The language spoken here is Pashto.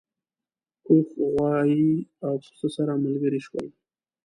اوښ غوایی او پسه سره ملګري شول.